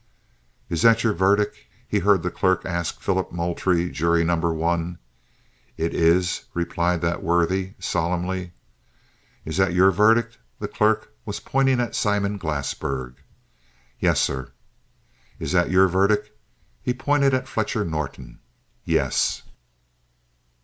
"Is that your verdict?" he heard the clerk ask of Philip Moultrie, juror No. 1. "It is," replied that worthy, solemnly. "Is that your verdict?" The clerk was pointing to Simon Glassberg. "Yes, sir." "Is that your verdict?" He pointed to Fletcher Norton. "Yes."